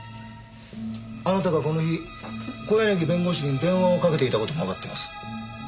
あなたがこの日小柳弁護士に電話をかけていた事もわかってます。